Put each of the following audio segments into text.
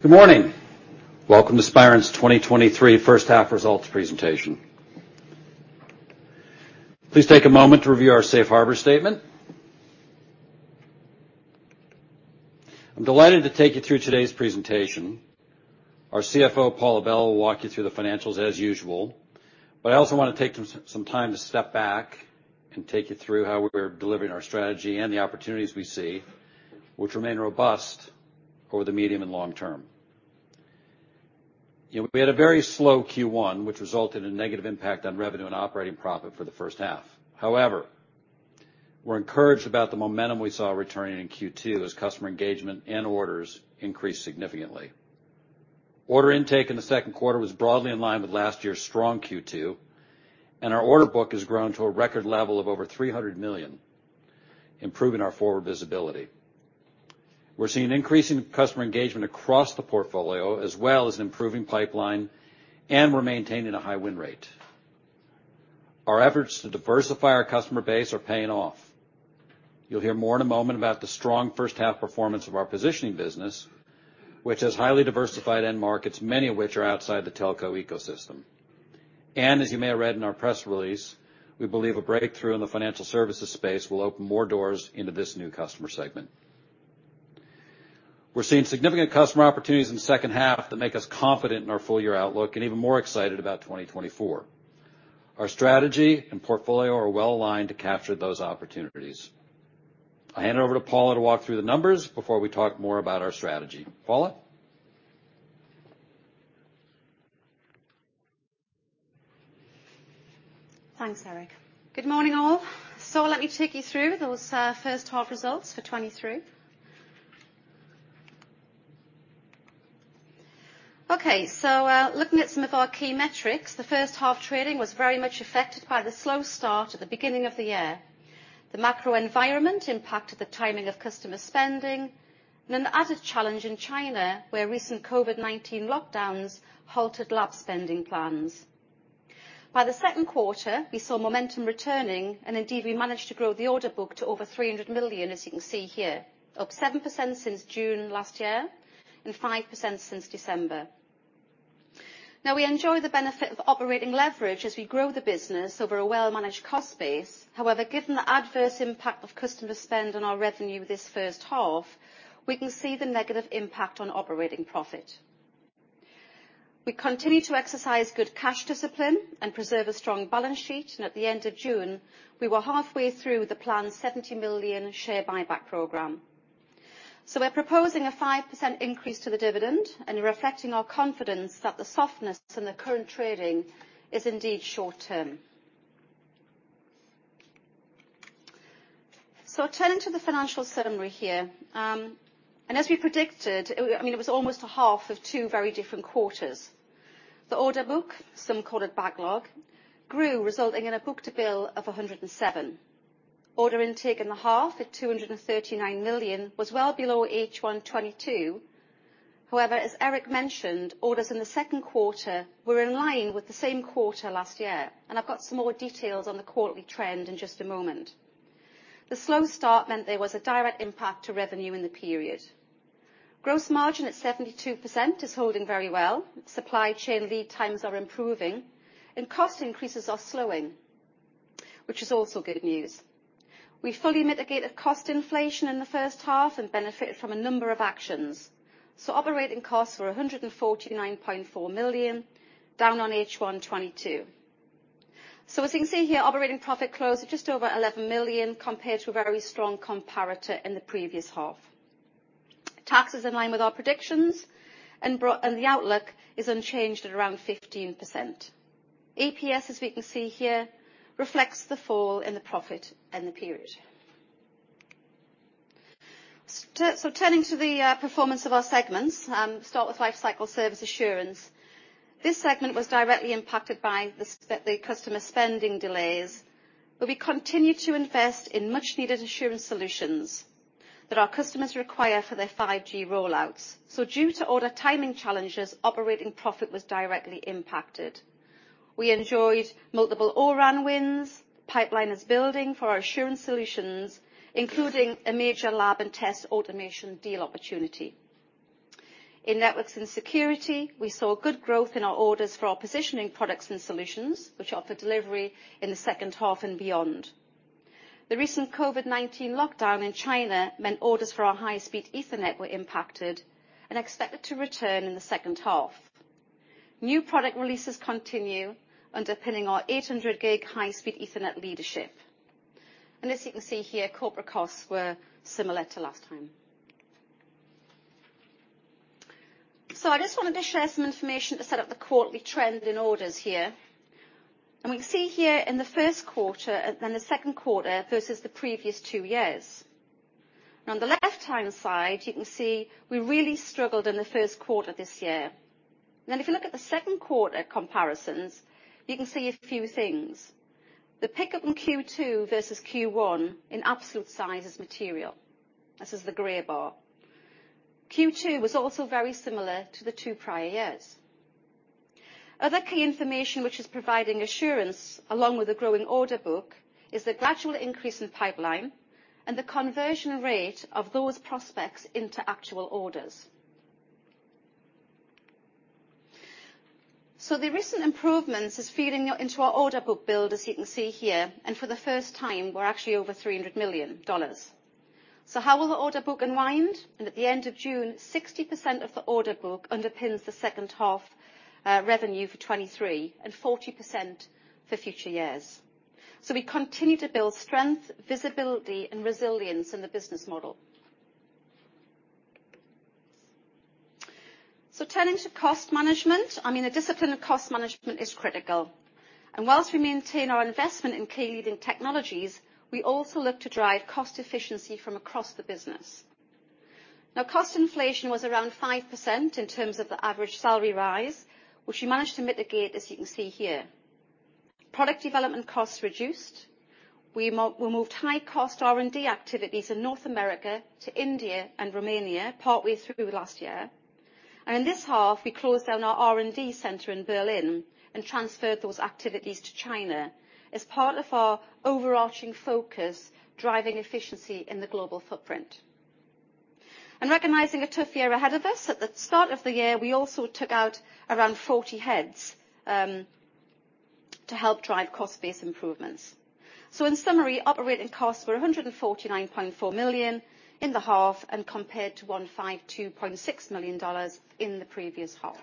Good morning. Welcome to Spirent's 2023 First Half Results Presentation. Please take a moment to review our safe harbor statement. I'm delighted to take you through today's presentation. Our CFO, Paula Bell will walk you through the financials as usual. I also want to take some time to step back and take you through how we're delivering our strategy and the opportunities we see, which remain robust over the medium and long term. You know, we had a very slow Q1, which resulted in a negative impact on revenue and operating profit for the first half. However, we're encouraged about the momentum we saw returning in Q2 as customer engagement and orders increased significantly. Order intake in the second quarter was broadly in line with last year's strong Q2, and our order book has grown to a record level of over $300 million, improving our forward visibility. We're seeing an increase in customer engagement across the portfolio, as well as improving pipeline, and we're maintaining a high win rate. Our efforts to diversify our customer base are paying off. You'll hear more in a moment about the strong first-half performance of our positioning business, which has highly diversified end markets, many of which are outside the telco ecosystem. As you may have read in our press release, we believe a breakthrough in the financial services space will open more doors into this new customer segment. We're seeing significant customer opportunities in the second half that make us confident in our full-year outlook, and even more excited about 2024. Our strategy and portfolio are well-aligned to capture those opportunities. I'll hand over to Paula to walk through the numbers before we talk more about our strategy. Paula? Thanks, Eric. Good morning, all. Let me take you through those first half results for 2023. Looking at some of our key metrics, the first half trading was very much affected by the slow start at the beginning of the year. The macro environment impacted the timing of customer spending, and then the added challenge in China, where recent COVID-19 lockdowns halted lab spending plans. By the second quarter, we saw momentum returning, and indeed, we managed to grow the order book to over 300 million, as you can see here, up 7% since June last year and 5% since December. Now, we enjoy the benefit of operating leverage as we grow the business over a well-managed cost base. However, given the adverse impact of customer spend on our revenue this first half, we can see the negative impact on operating profit. We continue to exercise good cash discipline and preserve a strong balance sheet, and at the end of June, we were halfway through the planned 70 million share buyback program. We're proposing a 5% increase to the dividend, and reflecting our confidence that the softness in the current trading is indeed short-term. Turning to the financial summary here, I mean, it was almost a half of two very different quarters. The order book, some call it backlog, grew, resulting in a book-to-bill of 107. Order intake in the half at 239 million was well below H1 2022. However, as Eric mentioned, orders in the second quarter were in line with the same quarter last year, and I've got some more details on the quarterly trend in just a moment. The slow start meant there was a direct impact to revenue in the period. Gross margin at 72% is holding very well. Supply chain lead times are improving, and cost increases are slowing, which is also good news. We fully mitigated cost inflation in the first half and benefited from a number of actions. Operating costs were 149.4 million, down on H1 2022. As you can see here, operating profit closed at just over 11 million, compared to a very strong comparator in the previous half. Tax is in line with our predictions, and the outlook is unchanged at around 15%. EPS, as we can see here, reflects the fall in the profit and the period. Turning to the performance of our segments, start with Lifecycle Service Assurance. This segment was directly impacted by the customer spending delays, but we continued to invest in much-needed assurance solutions that our customers require for their 5G rollouts. Due to order timing challenges, operating profit was directly impacted. We enjoyed multiple O-RAN wins. Pipeline is building for our assurance solutions, including a major lab and test automation deal opportunity. In Networks & Security, we saw good growth in our orders for our positioning products and solutions, which are for delivery in the second half and beyond. The recent COVID-19 lockdown in China meant orders for our high-speed Ethernet were impacted and expected to return in the second half. New product releases continue, underpinning our 800G high-speed Ethernet leadership. As you can see here, corporate costs were similar to last time. I just wanted to share some information to set up the quarterly trend in orders here. We can see here in the first quarter and then the second quarter, versus the previous two years. On the left-hand side, you can see we really struggled in the first quarter this year. If you look at the second quarter comparisons, you can see a few things. The pickup in Q2 versus Q1 in absolute size is material. This is the gray bar. Q2 was also very similar to the two prior years. Other key information which is providing assurance, along with a growing order book, is the gradual increase in pipeline and the conversion rate of those prospects into actual orders. The recent improvements is feeding into our order book build, as you can see here, and for the first time, we're actually over $300 million. How will the order book unwind? At the end of June, 60% of the order book underpins the second half revenue for 2023, and 40% for future years. We continue to build strength, visibility, and resilience in the business model. Turning to cost management, I mean, a discipline of cost management is critical. Whilst we maintain our investment in key leading technologies, we also look to drive cost efficiency from across the business. Now, cost inflation was around 5% in terms of the average salary rise, which we managed to mitigate, as you can see here. Product development costs reduced. We moved high-cost R&D activities in North America to India and Romania, partway through last year. In this half, we closed down our R&D center in Berlin and transferred those activities to China as part of our overarching focus, driving efficiency in the global footprint. Recognizing a tough year ahead of us, at the start of the year, we also took out around 40 heads to help drive cost base improvements. In summary, operating costs were $149.4 million in the half, and compared to $152.6 million in the previous half.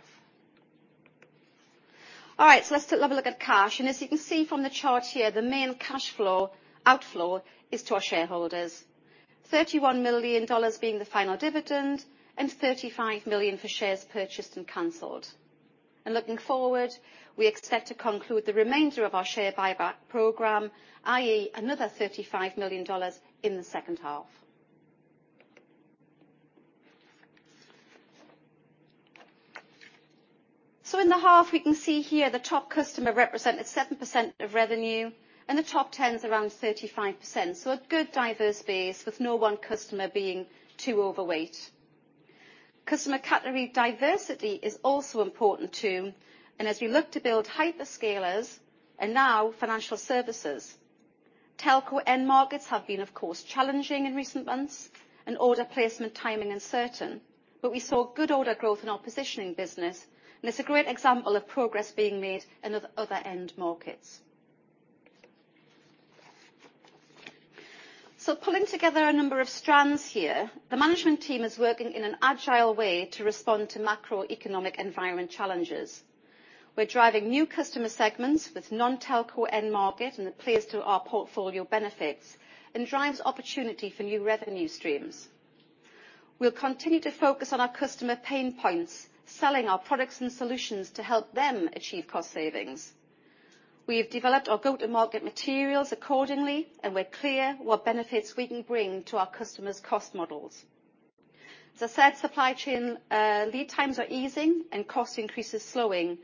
All right, let's take a look at cash. As you can see from the chart here, the main cash flow outflow is to our shareholders. $31 million being the final dividend, and $35 million for shares purchased and canceled. Looking forward, we expect to conclude the remainder of our share buyback program, i.e., another $35 million in the second half. In the half, we can see here, the top customer represented 7% of revenue, and the top 10 is around 35%, so a good diverse base with no one customer being too overweight. Customer category diversity is also important, too, and as we look to build hyperscalers and now financial services. Telco end markets have been, of course, challenging in recent months, and order placement, timing, uncertain. We saw good order growth in our positioning business, and it's a great example of progress being made in other end markets. Pulling together a number of strands here, the management team is working in an agile way to respond to macroeconomic environment challenges. We're driving new customer segments with non-telco end market, and it plays to our portfolio benefits and drives opportunity for new revenue streams. We'll continue to focus on our customer pain points, selling our products and solutions to help them achieve cost savings. We have developed our go-to-market materials accordingly, and we're clear what benefits we can bring to our customers' cost models. As I said, supply chain, lead times are easing and cost increases slowing,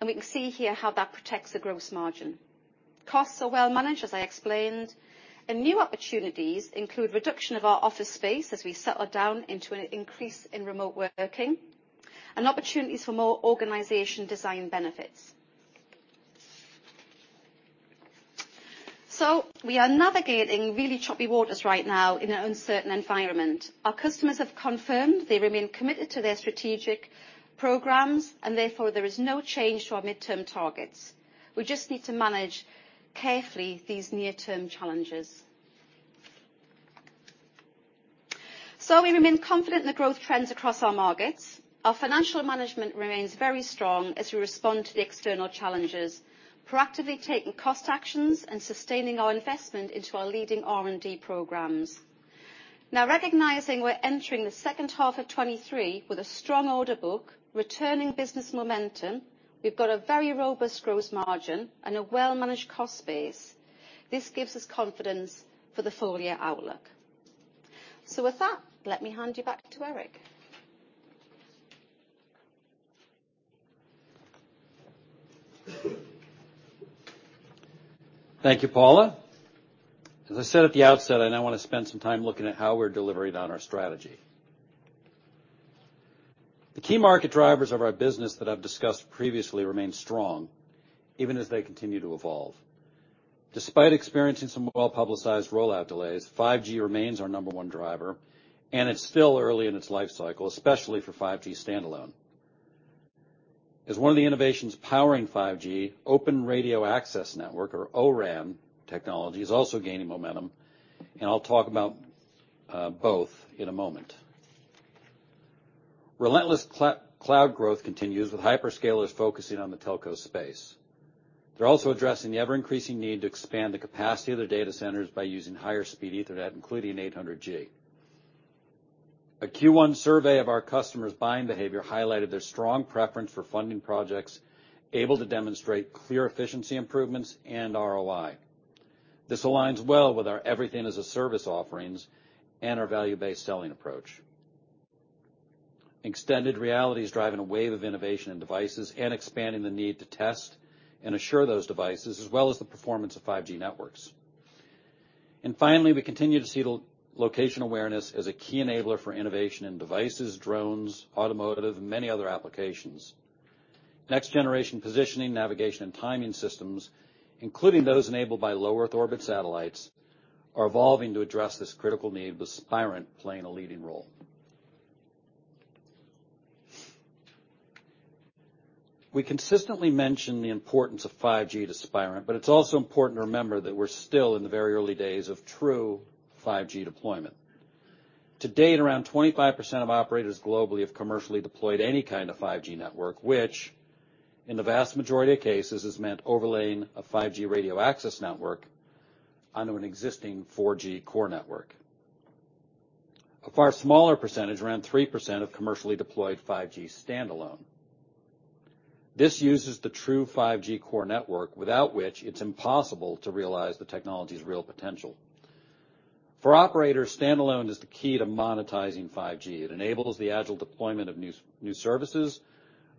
and we can see here how that protects the gross margin. Costs are well managed, as I explained, and new opportunities include reduction of our office space as we settle down into an increase in remote working, and opportunities for more organization design benefits. We are navigating really choppy waters right now in an uncertain environment. Our customers have confirmed they remain committed to their strategic programs, therefore, there is no change to our midterm targets. We just need to manage carefully these near-term challenges. We remain confident in the growth trends across our markets. Our financial management remains very strong as we respond to the external challenges, proactively taking cost actions and sustaining our investment into our leading R&D programs. Recognizing we're entering the second half of 2023 with a strong order book, returning business momentum, we've got a very robust gross margin and a well-managed cost base. This gives us confidence for the full-year outlook. With that, let me hand you back to Eric. Thank you, Paula. As I said at the outset, I now want to spend some time looking at how we're delivering on our strategy. The key market drivers of our business that I've discussed previously remain strong, even as they continue to evolve. Despite experiencing some well-publicized rollout delays, 5G remains our number one driver, and it's still early in its lifecycle, especially for 5G Standalone. As one of the innovations powering 5G, Open Radio Access Network, or O-RAN technology is also gaining momentum, and I'll talk about both in a moment. Relentless cloud growth continues, with hyperscalers focusing on the telco space. They're also addressing the ever-increasing need to expand the capacity of their data centers by using higher speed Ethernet, including 800G. A Q1 survey of our customers' buying behavior highlighted their strong preference for funding projects, able to demonstrate clear efficiency improvements and ROI. This aligns well with our Everything as a Service offerings and our value-based selling approach. extended reality is driving a wave of innovation in devices and expanding the need to test and assure those devices, as well as the performance of 5G networks. Finally, we continue to see location awareness as a key enabler for innovation in devices, drones, automotive, and many other applications. Next-generation positioning, navigation, and timing systems, including those enabled by low Earth orbit satellites, are evolving to address this critical need, with Spirent playing a leading role. We consistently mention the importance of 5G to Spirent, but it's also important to remember that we're still in the very early days of true 5G deployment. To date, around 25% of operators globally have commercially deployed any kind of 5G network, which in the vast majority of cases, has meant overlaying a 5G radio access network onto an existing 4G core network. A far smaller percentage, around 3%, have commercially deployed 5G Standalone. This uses the true 5G core network, without which it's impossible to realize the technology's real potential. For operators, Standalone is the key to monetizing 5G. It enables the agile deployment of new services,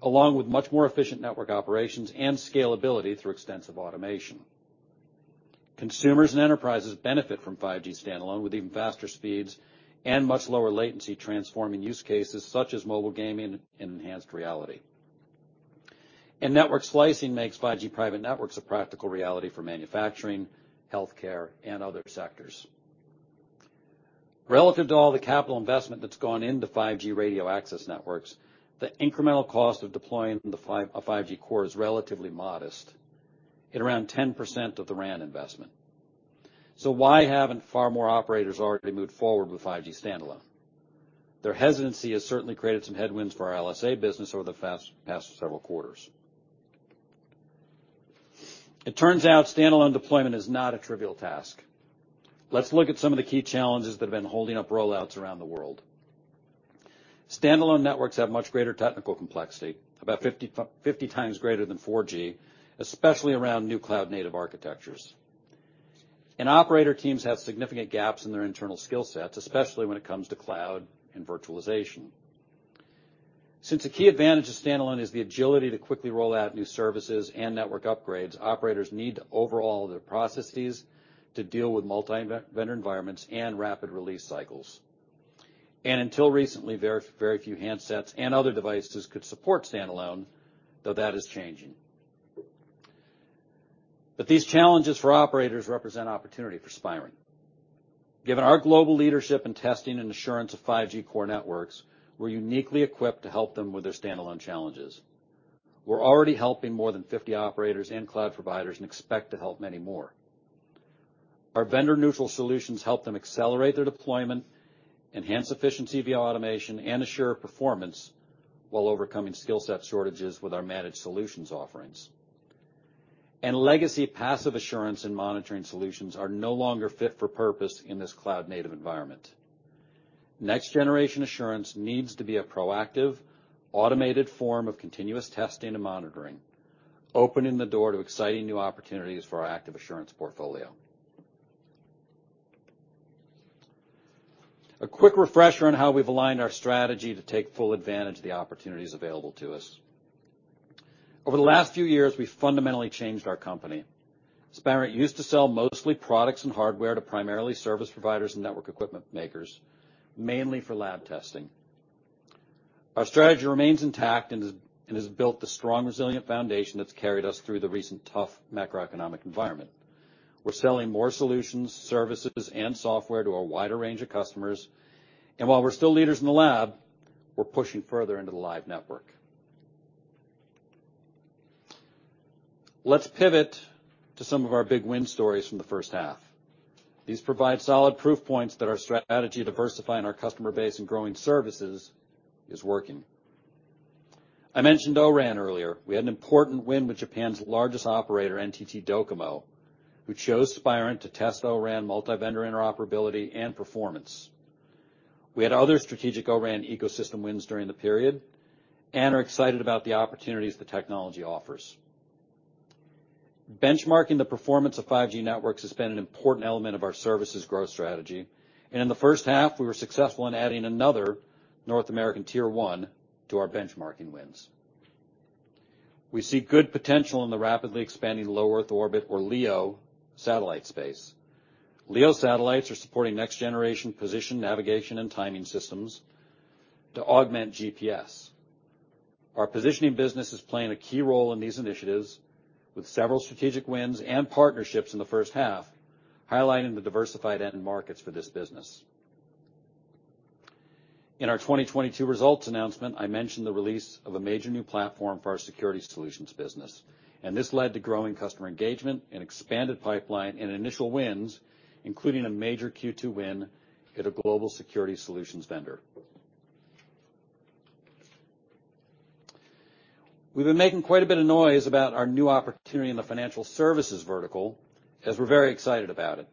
along with much more efficient network operations and scalability through extensive automation. Consumers and enterprises benefit from 5G Standalone with even faster speeds and much lower latency, transforming use cases such as mobile gaming and extended reality. Network slicing makes 5G private networks a practical reality for manufacturing, healthcare, and other sectors. Relative to all the capital investment that's gone into 5G radio access networks, the incremental cost of deploying a 5G core is relatively modest, at around 10% of the RAN investment. Why haven't far more operators already moved forward with 5G Standalone? Their hesitancy has certainly created some headwinds for our LSA business over the past several quarters. It turns out standalone deployment is not a trivial task. Let's look at some of the key challenges that have been holding up rollouts around the world. Standalone networks have much greater technical complexity, about 50x greater than 4G, especially around new cloud-native architectures. Operator teams have significant gaps in their internal skill sets, especially when it comes to cloud and virtualization. Since a key advantage of standalone is the agility to quickly roll out new services and network upgrades, operators need to overhaul their processes to deal with multi-vendor environments and rapid release cycles. Until recently, very few handsets and other devices could support standalone, though that is changing. These challenges for operators represent opportunity for Spirent. Given our global leadership in testing and assurance of 5G core networks, we're uniquely equipped to help them with their standalone challenges. We're already helping more than 50 operators, and cloud providers and expect to help many more. Our vendor-neutral solutions help them accelerate their deployment, enhance efficiency via automation, and assure performance while overcoming skill set shortages with our managed solutions offerings. Legacy passive assurance and monitoring solutions are no longer fit for purpose in this cloud-native environment. Next generation assurance needs to be a proactive, automated form of continuous testing and monitoring, opening the door to exciting new opportunities for our active assurance portfolio. A quick refresher on how we've aligned our strategy to take full advantage of the opportunities available to us. Over the last few years, we've fundamentally changed our company. Spirent used to sell mostly products and hardware to primarily service providers and network equipment makers, mainly for lab testing. Our strategy remains intact and has built the strong, resilient foundation that's carried us through the recent tough macroeconomic environment. We're selling more solutions, services, and software to a wider range of customers. While we're still leaders in the lab, we're pushing further into the live network. Let's pivot to some of our big win stories from the first half. These provide solid proof points that our strategy, diversifying our customer base and growing services, is working. I mentioned O-RAN earlier. We had an important win with Japan's largest operator, NTT DOCOMO, which chose Spirent to test O-RAN multi-vendor interoperability and performance. We had other strategic O-RAN ecosystem wins during the period, and are excited about the opportunities the technology offers. Benchmarking the performance of 5G networks has been an important element of our services growth strategy, and in the first half, we were successful in adding another North American tier 1 to our benchmarking wins. We see good potential in the rapidly expanding low Earth orbit, or LEO satellite space. LEO satellites are supporting next-generation position, navigation, and timing systems to augment GPS. Our positioning business is playing a key role in these initiatives, with several strategic wins and partnerships in the first half, highlighting the diversified end markets for this business. In our 2022 results announcement, I mentioned the release of a major new platform for our security solutions business, and this led to growing customer engagement, an expanded pipeline, and initial wins, including a major Q2 win at a global security solutions vendor. We've been making quite a bit of noise about our new opportunity in the financial services vertical, as we're very excited about it.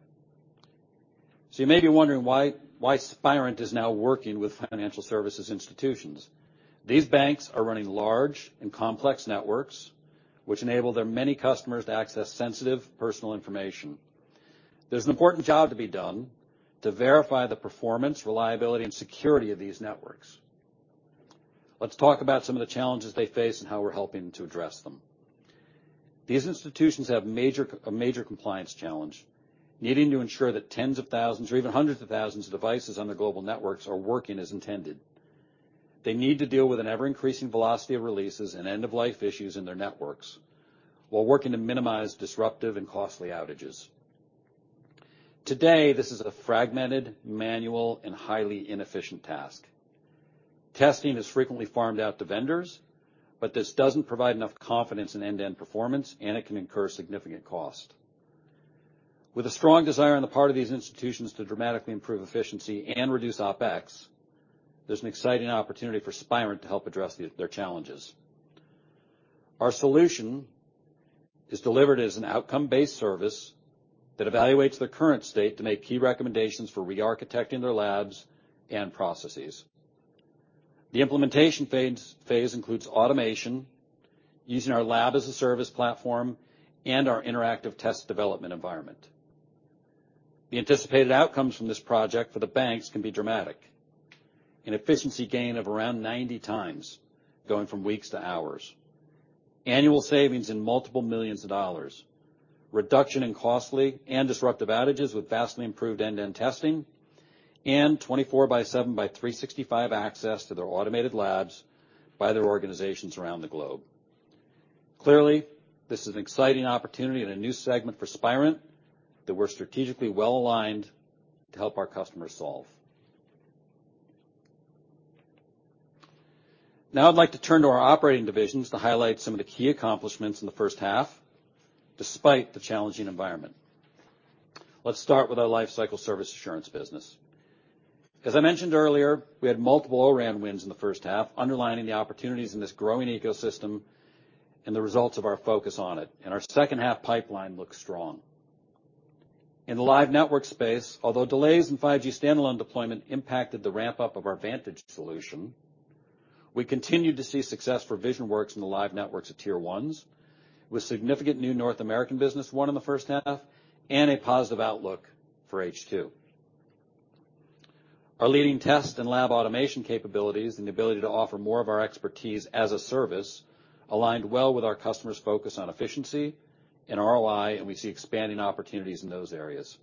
You may be wondering why Spirent is now working with financial services institutions. These banks are running large and complex networks, which enable their many customers to access sensitive personal information. There's an important job to be done to verify the performance, reliability, and security of these networks. Let's talk about some of the challenges they face and how we're helping to address them. These institutions have a major compliance challenge, needing to ensure that tens of thousands or even hundreds of thousands of devices on their global networks are working as intended. They need to deal with an ever-increasing velocity of releases and end-of-life issues in their networks, while working to minimize disruptive and costly outages. Today, this is a fragmented, manual, and highly inefficient task. Testing is frequently farmed out to vendors, but this doesn't provide enough confidence in end-to-end performance, and it can incur significant cost. With a strong desire on the part of these institutions to dramatically improve efficiency and reduce OpEx, there's an exciting opportunity for Spirent to help address their challenges. Our solution is delivered as an outcome-based service that evaluates their current state to make key recommendations for re-architecting their labs and processes. The implementation phase includes automation, using our Lab as a Service platform, and our interactive test development environment. The anticipated outcomes from this project for the banks can be dramatic. An efficiency gain of around 90x going from weeks to hours. Annual savings in multiple millions of dollars. Reduction in costly and disruptive outages with vastly improved end-to-end testing, and 24/7/365 access to their automated labs by their organizations around the globe. Clearly, this is an exciting opportunity and a new segment for Spirent, that we're strategically well-aligned to help our customers solve. Now I'd like to turn to our operating divisions to highlight some of the key accomplishments in the first half, despite the challenging environment. Let's start with our Lifecycle Service Assurance business. As I mentioned earlier, we had multiple O-RAN wins in the first half, underlining the opportunities in this growing ecosystem and the results of our focus on it, and our second half pipeline looks strong. In the live network space, although delays in 5G Standalone deployment impacted the ramp-up of our Vantage solution, we continued to see success for VisionWorks in the live networks of tier 1s, with significant new North American business won in the first half and a positive outlook for H2. Our leading test and lab automation capabilities and the ability to offer more of our expertise as a service, aligned well with our customers' focus on efficiency and ROI, and we see expanding opportunities in those areas.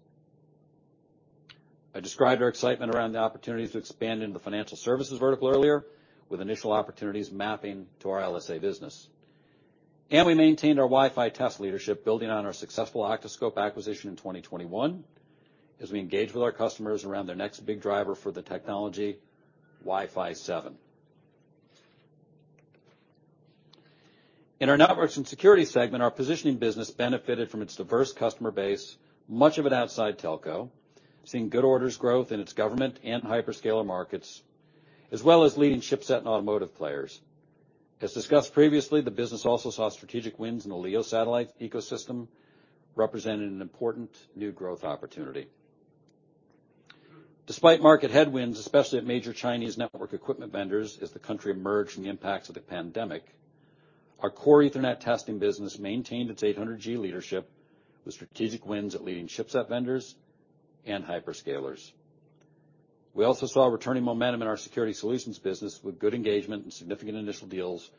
I described our excitement around the opportunities to expand into the financial services vertical earlier, with initial opportunities mapping to our LSA business. We maintained our Wi-Fi test leadership, building on our successful octoScope acquisition in 2021, as we engage with our customers around their next big driver for the technology, Wi-Fi 7. In our Networks & Security segment, our positioning business benefited from its diverse customer base, much of it outside telco, seeing good orders growth in its government and hyperscaler markets, as well as leading chipset and automotive players. As discussed previously, the business also saw strategic wins in the LEO satellite ecosystem, representing an important new growth opportunity. Despite market headwinds, especially at major Chinese network equipment vendors, as the country emerged from the impacts of the pandemic, our core Ethernet testing business maintained its 800G leadership with strategic wins at leading chipset vendors and hyperscalers. We also saw returning momentum in our security solutions business, with good engagement and significant initial deals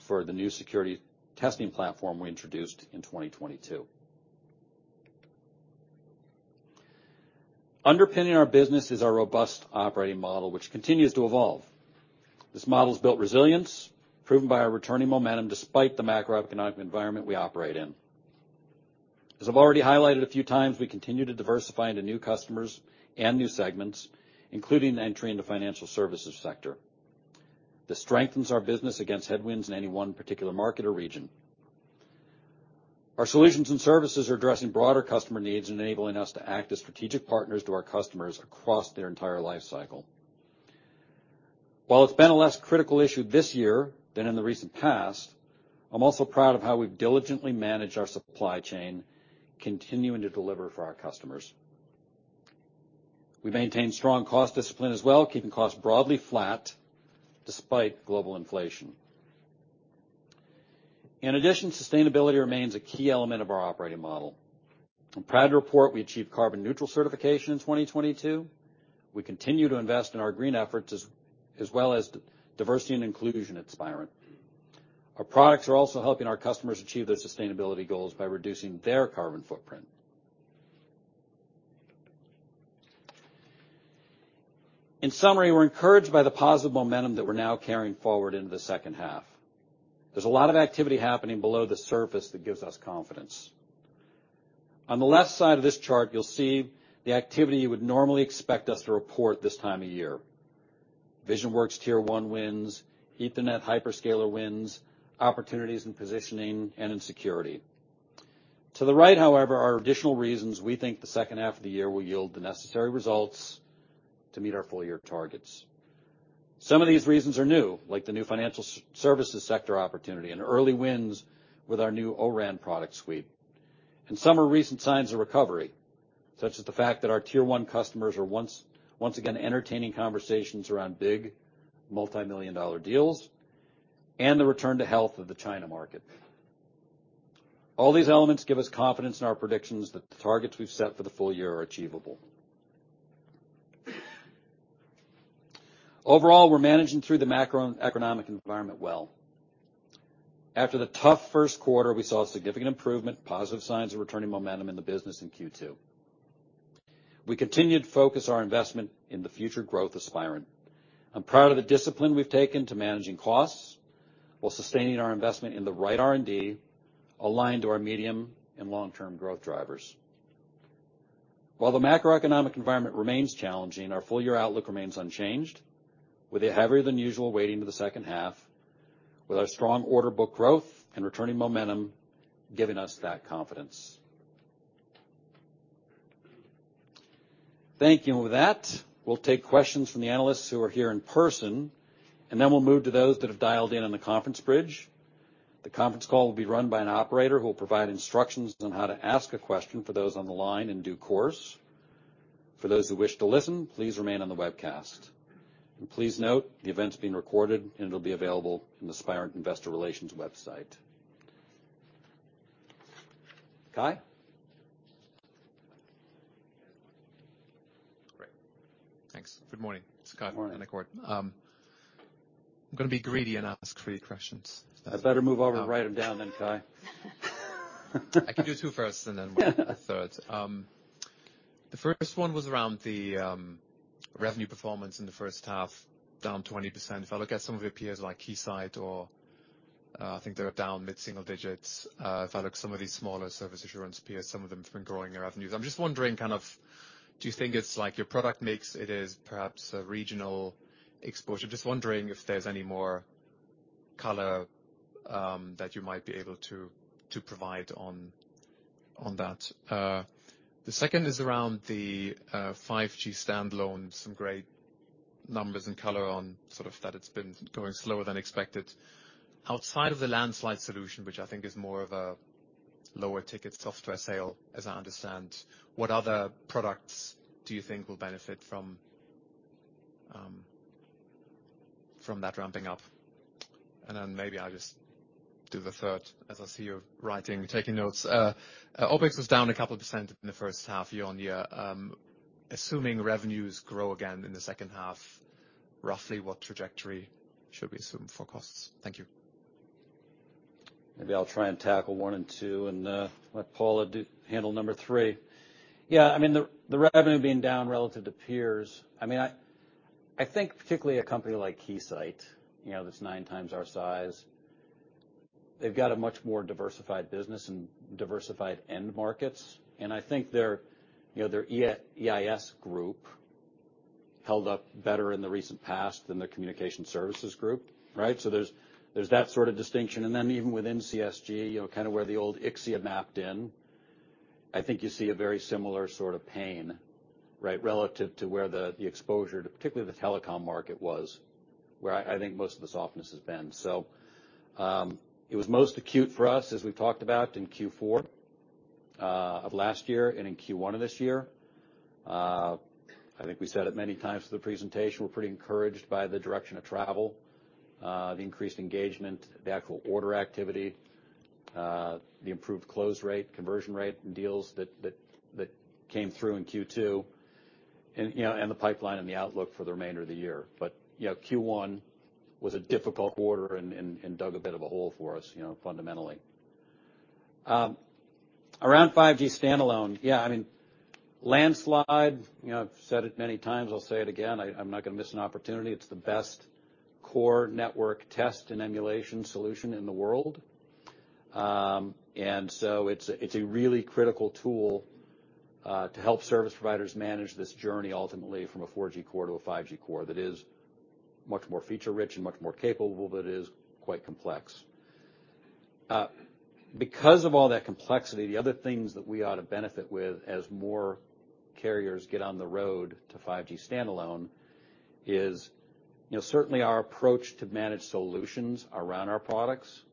for the new security testing platform we introduced in 2022. Underpinning our business is our robust operating model, which continues to evolve. This model has built resilience, proven by our returning momentum despite the macroeconomic environment we operate in. As I've already highlighted a few times, we continue to diversify into new customers and new segments, including the entry into financial services sector. This strengthens our business against headwinds in any one particular market or region. Our solutions and services are addressing broader customer needs, and enabling us to act as strategic partners to our customers across their entire life cycle. While it's been a less critical issue this year than in the recent past, I'm also proud of how we've diligently managed our supply chain, continuing to deliver for our customers. We've maintained strong cost discipline as well, keeping costs broadly flat despite global inflation. In addition, sustainability remains a key element of our operating model. I'm proud to report we achieved carbon neutral certification in 2022. We continue to invest in our green efforts as well as diversity and inclusion at Spirent. Our products are also helping our customers achieve their sustainability goals by reducing their carbon footprint. In summary, we're encouraged by the positive momentum that we're now carrying forward into the second half. There's a lot of activity happening below the surface that gives us confidence. On the left side of this chart, you'll see the activity you would normally expect us to report this time of year. VisionWorks tier-1 wins, Ethernet hyperscaler wins, opportunities in positioning and in security. To the right, however, are additional reasons we think the second half of the year will yield the necessary results to meet our full year targets. Some of these reasons are new, like the new financial services sector opportunity and early wins with our new O-RAN product suite. Some are recent signs of recovery, such as the fact that our tier-1 customers are once again entertaining conversations around big multimillion-dollar deals and the return to health of the China market. All these elements give us confidence in our predictions that the targets we've set for the full year are achievable. Overall, we're managing through the macroeconomic environment well. After the tough first quarter, we saw a significant improvement, positive signs, and returning momentum in the business in Q2. We continued to focus our investment in the future growth of Spirent. I'm proud of the discipline we've taken to managing costs, while sustaining our investment in the right R&D, aligned to our medium and long-term growth drivers. While the macroeconomic environment remains challenging, our full-year outlook remains unchanged, with a heavier-than-usual weighting to the second half, with our strong order book growth and returning momentum, giving us that confidence. Thank you. With that, we'll take questions from the analysts who are here in person, and then we'll move to those that have dialed in on the conference bridge. The conference call will be run by an operator, who will provide instructions on how to ask a question for those on the line in due course. For those who wish to listen, please remain on the webcast. Please note, the event is being recorded, and it'll be available in the Spirent Investor Relations website. Kai? Great. Thanks. Good morning. It's Kai, [Pernicourt]. Morning. I'm going to be greedy and ask three questions. I better move over. Write them down then, Kai. I can do two first, and then the third. The first one was around the revenue performance in the first half, down 20%. If I look at some of your peers like Keysight, I think they're down mid-single digits. If I look at some of these smaller service assurance peers, some of them have been growing their revenues. I'm just wondering, do you think it's like your product mix, it is perhaps a regional exposure? Just wondering if there's any more color that you might be able to provide on that. The second is around the 5G Standalone, some great numbers and color on that, it's been going slower than expected. Outside of the landslide solution, which I think is more of a lower ticket software sale, as I understand, what other products do you think will benefit from that ramping up? Maybe I'll just do the third, as I see you writing, taking notes. OpEx was down a couple of percent in the first half, year-on-year. Assuming revenues grow again in the second half, roughly what trajectory should we assume for costs? Thank you. Maybe I'll try and tackle one and two, and let Paula handle number three. Yeah, I mean, the revenue being down relative to peers, I mean, I think particularly a company like Keysight, you know, that's 9x our size, they've got a much more diversified business and diversified end markets. I think their, you know, EIS Group held up better in the recent past than the communication services group, right? There's that sort of distinction, and then even within CSG, you know, kind of where the old Ixia mapped in, I think you see a very similar sort of pain, right, relative to where the exposure to particularly the telecom market was, where I think most of the softness has been. It was most acute for us, as we talked about in Q4 of last year and in Q1 of this year. I think we said it many times in the presentation, we're pretty encouraged by the direction of travel, the increased engagement, the actual order activity, the improved close rate, conversion rate, and deals that came through in Q2, and the pipeline and the outlook for the remainder of the year. You know, Q1 was a difficult quarter and dug a bit of a hole for us, you know, fundamentally. Around 5G Standalone, yeah, I mean, landslide, you know, I've said it many times, I'll say it again, I'm not going to miss an opportunity. It's the best core network test and emulation solution in the world. It's a really critical tool to help service providers manage this journey ultimately, from a 4G core to a 5G core that is much more feature-rich and much more capable, but it is quite complex. Because of all that complexity, the other things that we ought to benefit with as more carriers get on the road to 5G Standalone is, you know, certainly our approach to manage solutions around our products.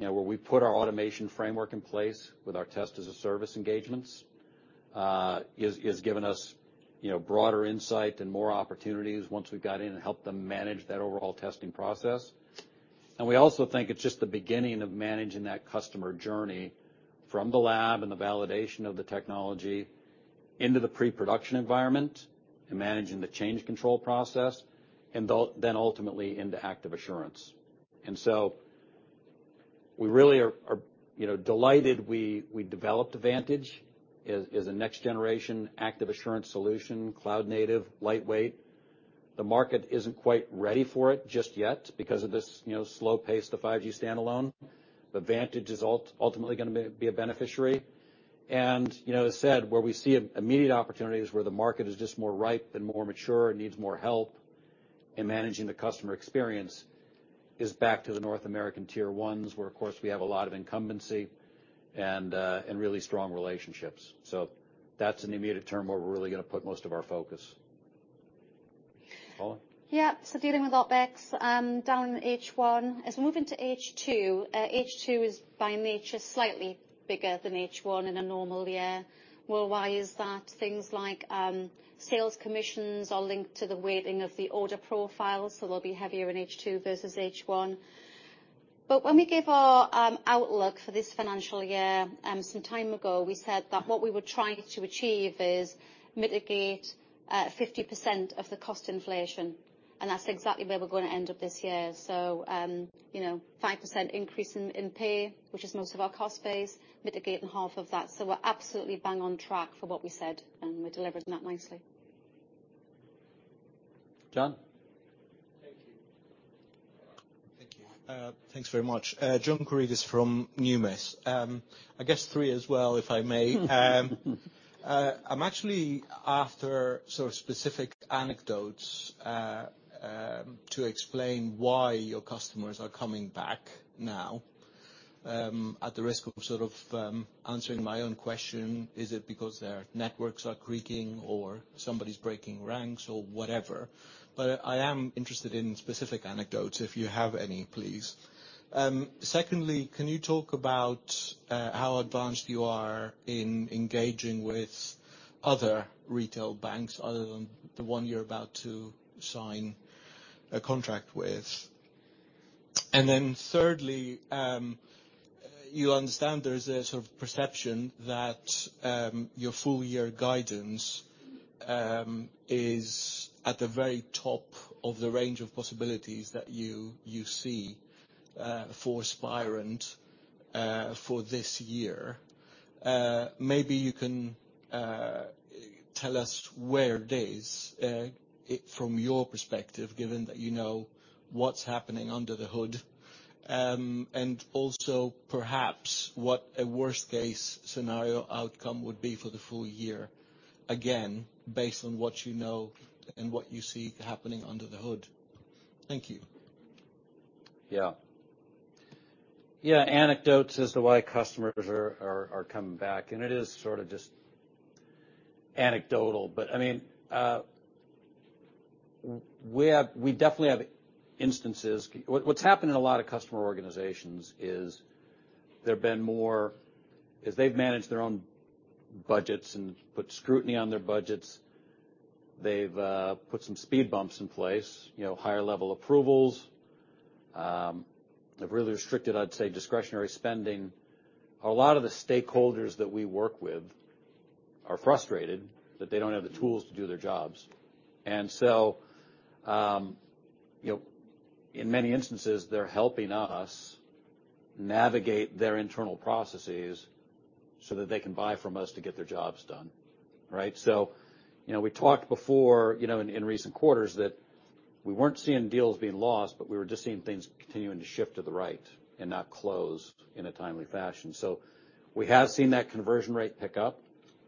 You know, where we put our automation framework in place with our Test as a Service engagements, has given us, you know, broader insight and more opportunities once we got in and helped them manage that overall testing process. We also think it's just the beginning of managing that customer journey from the lab, and the validation of the technology into the pre-production environment and managing the change control process, then ultimately into active assurance. We really are, you know, delighted we developed Vantage as a next generation active assurance solution, cloud native, lightweight. The market isn't quite ready for it just yet because of this, you know, slow pace to 5G Standalone, but Vantage is ultimately going to be a beneficiary. You know, as I said, where we see immediate opportunities, where the market is just more ripe and more mature, and needs more help in managing the customer experience is back to the North American tier-1s, where of course we have a lot of incumbency and really strong relationships. That's an immediate term where we're really going to put most of our focus. Paula? Yeah, dealing with OpEx down in H1. As we move into H2, H2 is by nature, slightly bigger than H1 in a normal year. Well, why is that? Things like sales commissions are linked to the weighting of the order profile, so they'll be heavier in H2 versus H1. When we gave our outlook for this financial year, some time ago, we said that what we were trying to achieve is mitigate 50% of the cost inflation and that's exactly where we're going to end up this year. You know, 5% increase in pay, which is most of our cost base, mitigating half of that. We're absolutely bang on track for what we said, and we're delivering that nicely. John? Thank you. Thanks very much. John Karidis from Numis. I guess three as well, if I may. I'm actually after specific anecdotes to explain why your customers are coming back now. At the risk of answering my own question, is it because their networks are creaking or somebody's breaking ranks or whatever? I am interested in specific anecdotes, if you have any, please. Secondly, can you talk about how advanced you are in engaging with other retail banks other than the one you're about to sign a contract with? Thirdly, you understand there is a perception, that your full-year guidanceis at the very top of the range of possibilities that you see for Spirent for this year. Maybe you can tell us where it is from your perspective, given that you know what's happening under the hood. Also, perhaps, what a worst case scenario outcome would be for the full year, again, based on what you know and what you see happening under the hood. Thank you. Yeah, anecdotes as to why customers are coming back, and it is sort of just anecdotal. What's happened in a lot of customer organizations is, as they've managed their own budgets and put scrutiny on their budgets, they've put some speed bumps in place, you know, higher level approvals. They've really restricted, I'd say, discretionary spending. A lot of the stakeholders that we work with are frustrated that they don't have the tools to do their jobs. You know, in many instances, they're helping us navigate their internal processes, so that they can buy from us to get their jobs done, right? You know, we talked before, you know, in recent quarters that we weren't seeing deals being lost, but we were just seeing things continuing to shift to the right and not close in a timely fashion. We have seen that conversion rate pick up.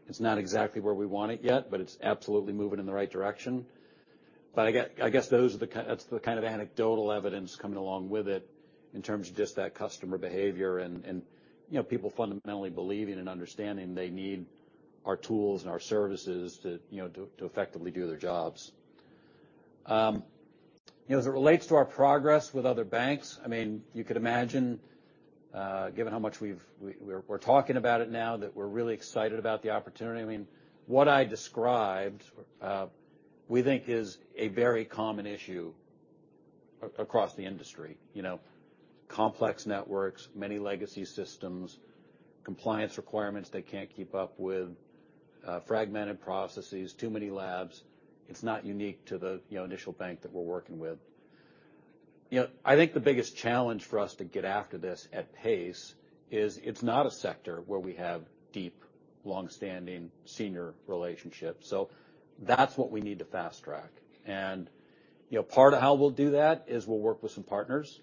It's not exactly where we want it yet, but it's absolutely moving in the right direction. I guess those are the kind of anecdotal evidence coming along with it in terms of just that customer behavior, and you know, people fundamentally believing and understanding, they need our tools and our services to, you know, effectively do their jobs. You know, as it relates to our progress with other banks, I mean, you could imagine, given how much we're talking about it now, that we're really excited about the opportunity. I mean, what I described, we think is a very common issue across the industry. You know, complex networks, many legacy systems, compliance requirements they can't keep up with, fragmented processes, too many labs. It's not unique to the, you know, initial bank that we're working with. You know, I think the biggest challenge for us to get after this at pace is, it's not a sector where we have deep, long-standing senior relationships, so that's what we need to fast-track. You know, part of how we'll do that is we'll work with some partners.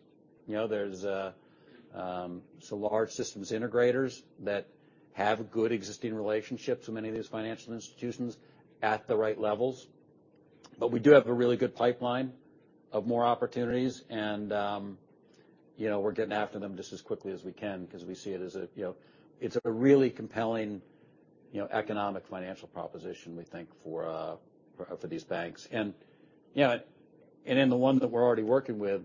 You know, there's some large systems integrators that have good existing relationships with many of these financial institutions at the right levels. We do have a really good pipeline of more opportunities, and you know, we're getting after them just as quickly as we can because we see, you know, it's a really compelling, you know, economic, financial proposition, we think, for these banks. You know, and then the one that we're already working with,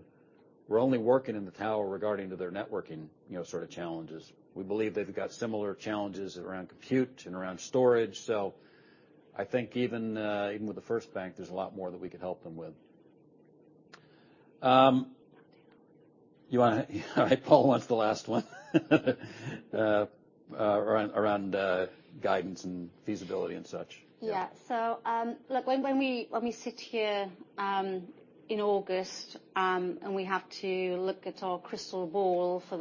we're only working in the tower regarding to their networking, you know, sort of challenges. We believe they've got similar challenges around compute and around storage. I think even with the first bank, there's a lot more that we could help them with. All right, Paula wants the last one around guidance and feasibility and such. Yeah. Look, when we sit here in August, and we have to look at our crystal ball for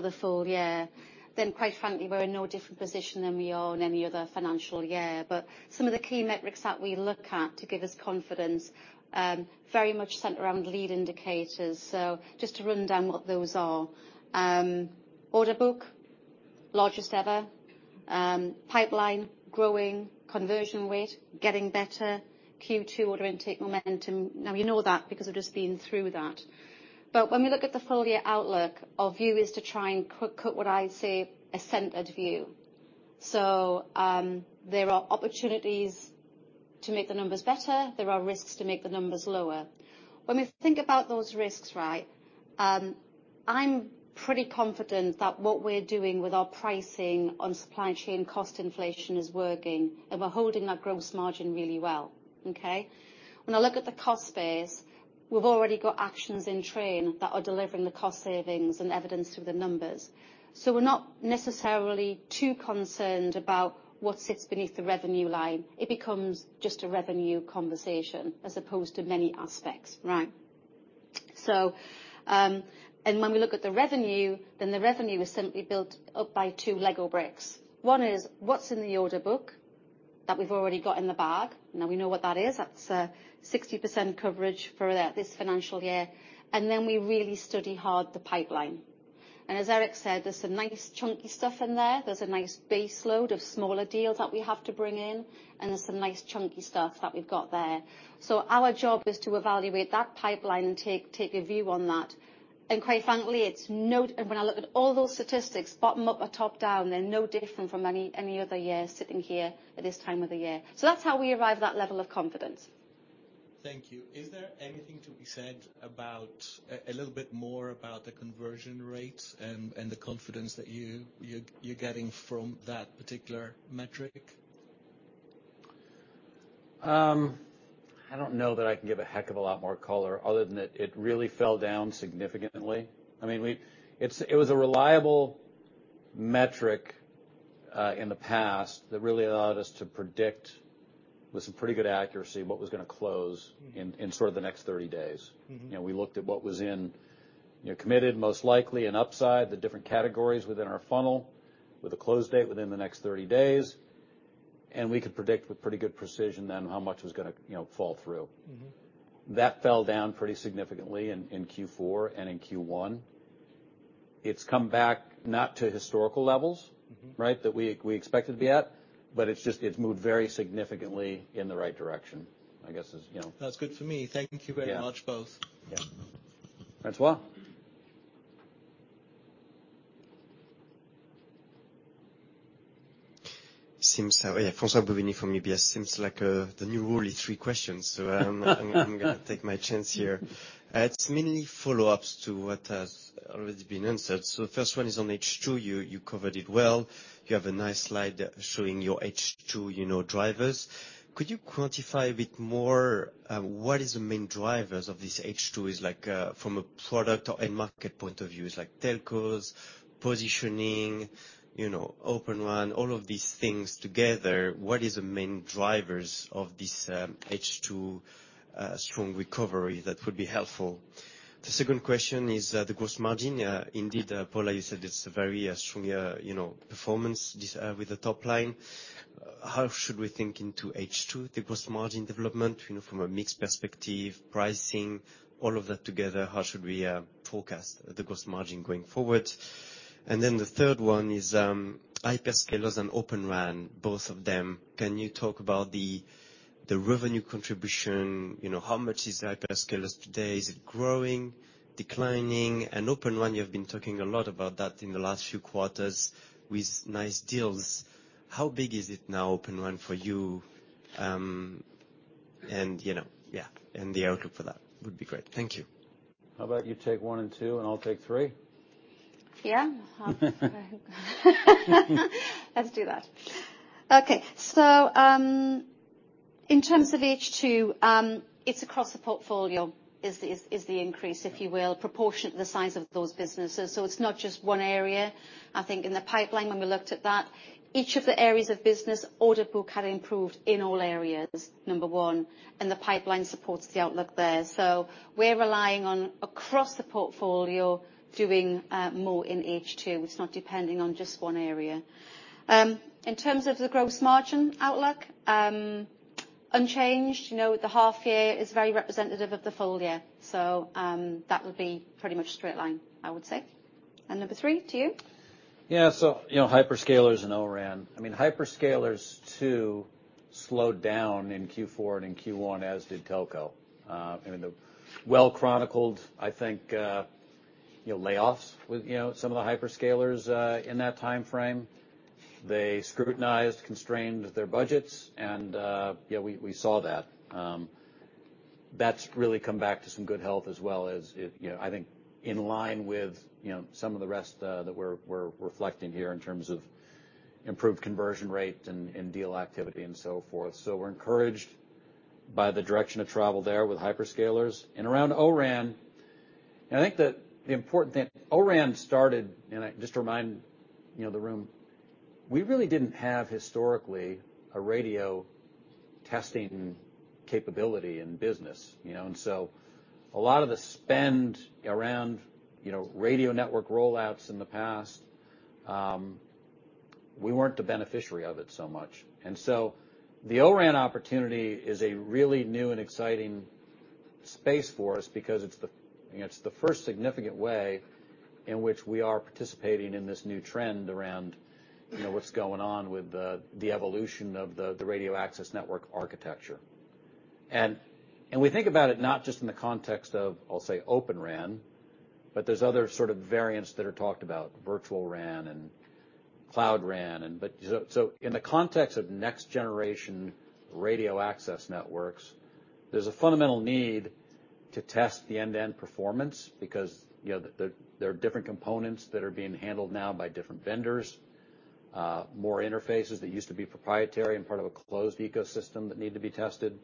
the full year, then quite frankly, we're in no different position than we are in any other financial year. Some of the key metrics that we look at to give us confidence, very much center around lead indicators. Just to run down what those are, order book, largest ever, pipeline growing, conversion rate getting better, Q2 order intake momentum. Now, you know that because we've just been through that. When we look at the full-year outlook, our view is to try and cut what I say, a centered view. There are opportunities to make the numbers better, there are risks to make the numbers lower. When we think about those risks, right, I'm pretty confident that what we're doing with our pricing on supply chain cost inflation is working, and we're holding our gross margin really well, okay? When I look at the cost base, we've already got actions in train that are delivering the cost savings and evidence through the numbers. We're not necessarily too concerned about what sits beneath the revenue line. It becomes just a revenue conversation as opposed to many aspects, right? When we look at the revenue, then the revenue is simply built up by two LEGO bricks. One is, what's in the order book that we've already got in the bag? Now, we know what that is. That's a 60% coverage for that, this financial year, and then we really study hard the pipeline. As Eric said, there's some nice chunky stuff in there. There's a nice base load of smaller deals that we have to bring in, and there's some nice chunky stuff that we've got there. Our job is to evaluate that pipeline and take a view on that. Quite frankly, when I look at all those statistics, bottom up or top down, they're no different from any other year sitting here at this time of the year. That's how we arrive at that level of confidence. Thank you. Is there anything to be said about a little bit more about the conversion rates, and the confidence that you're getting from that particular metric? I don't know that I can give a heck of a lot more color, other than that it really fell down significantly. I mean, it was a reliable metric in the past, that really allowed us to predict with some pretty good accuracy what was going to close in sort of the next 30 days. You know, we looked at what was in, you know, committed, most likely, and upside, the different categories within our funnel, with a close date within the next 30 days. We could predict with pretty good precision then how much was going to, you know, fall through. That fell down pretty significantly in Q4 and in Q1. It's come back not to historical levels. Right, that we expect it to be at, but it's just, it's moved very significantly in the right direction, I guess, you know. That's good for me. Thank you very much, both. Yeah. François? Yeah. François-Xavier Bouvignies from UBS. Seems like the new rule is three questions, so I'm going to take my chance here. It's mainly follow-ups to what has already been answered. The first one is on H2. You covered it well. You have a nice slide showing your H2, you know, drivers. Could you quantify a bit more, what the main drivers of this H2 is like from a product or end market point of view, is like telcos, positioning, you know, Open RAN, all of these things together, what is the main drivers of this H2 strong recovery? That would be helpful. The second question is, the gross margin. Indeed, Paula, you said it's a very strong, you know, performance with the top line. How should we think into H2, the gross margin development, you know, from a mix perspective, pricing, all of that together, how should we forecast the gross margin going forward? The third one is hyperscalers and Open RAN, both of them. Can you talk about the revenue contribution? You know, how much is hyperscalers today? Is it growing, declining? Open RAN, you've been talking a lot about that in the last few quarters with nice deals. How big is it now, Open RAN, for you, and you know, the outlook for that would be great. Thank you. How about you take one and two, and I'll take three? Yeah. Let's do that. Okay, in terms of H2, it's across the portfolio, is the increase, if you will, proportionate to the size of those businesses. It's not just one area. I think in the pipeline, when we looked at that, each of the areas of business, order book had improved in all areas, number one, and the pipeline supports the outlook there. We're relying on, across the portfolio, doing more in H2. It's not depending on just one area. In terms of the gross margin outlook, unchanged, you know, the half year is very representative of the full year. That would be pretty much straight line, I would say. Number three, to you. Yeah, you know, hyperscalers and O-RAN. I mean, hyperscalers too slowed down in Q4 and in Q1, as did Telco. The well-chronicled, I think, you know, layoffs with, you know, some of the hyperscalers, in that time fram, they scrutinized, constrained their budgets, and yeah, we saw that. That's really come back to some good health as well as, you know, I think in line with, you know, some of the rest that we're reflecting here in terms of improved conversion rate and deal activity and so forth. We're encouraged by the direction of travel there with hyperscalers. Around O-RAN, I think that the important thing, O-RAN, and just to remind, you know, the room, we really didn't have historically a radio testing capability in business, you know. A lot of the spend around, you know, radio network rollouts in the past, we weren't the beneficiary of it so much. The O-RAN opportunity is a really new and exciting space for us, because it's the first significant way in which we are participating in this new trend around, you know, what's going on with the evolution of the radio access network architecture? We think about it not just in the context of, I'll say, Open RAN, but there's other sort of variants that are talked about, virtual RAN, Cloud RAN. In the context of next generation radio access networks, there's a fundamental need to test the end-to-end performance because, you know, there are different components that are being handled now by different vendors, more interfaces that used to be proprietary and part of a closed ecosystem that need to be tested.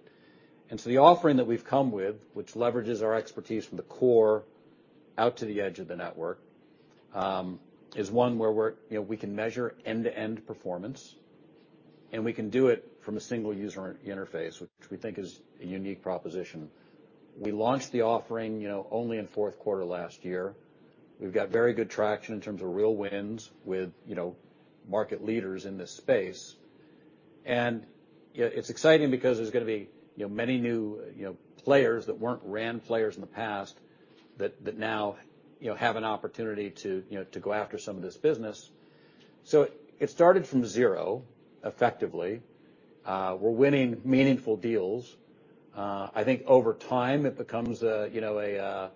The offering that we've come with, which leverages our expertise from the core out to the edge of the network, is one where, you know, we can measure end-to-end performance. We can do it from a single user in-interface, which we think is a unique proposition. We launched the offering, you know, only in fourth quarter last year. We've got very good traction in terms of real wins with, you know, market leaders in this space. Yeah, it's exciting because there's going to be, you know, many new, you know, players that weren't RAN players in the past, that now, you know, have an opportunity, you know, to go after some of this business. It started from zero effectively. We're winning meaningful deals. I think over time, it becomes a, you know,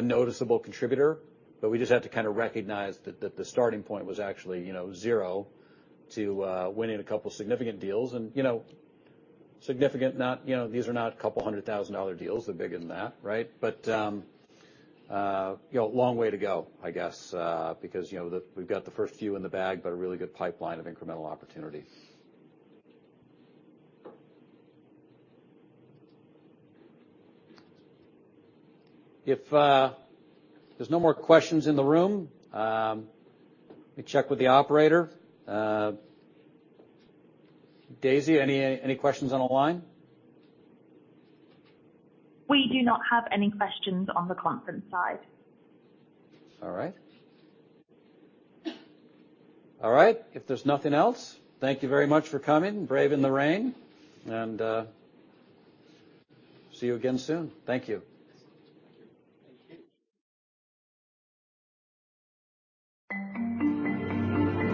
noticeable contributor, but we just had to kind of recognize that the starting point was actually, you know, zero to, winning a couple significant deals. You know, these are not $200,000 deals. They're bigger than that, right? You know, a long way to go, I guess, because you know, we've got the first few in the bag, but a really good pipeline of incremental opportunities. If there's no more questions in the room, let me check with the operator. Daisy, any questions on the line? We do not have any questions on the conference side. All right, if there's nothing else, thank you very much for coming, braving the rain, and see you again soon. Thank you